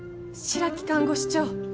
白木看護師長。